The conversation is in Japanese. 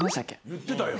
言ってたよ。